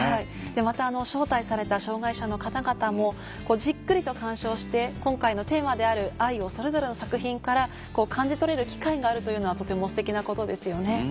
また招待された障がい者の方々もじっくりと鑑賞して今回のテーマである「愛」をそれぞれの作品から感じ取れる機会があるというのはとてもステキなことですよね。